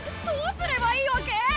どうすればいいわけ？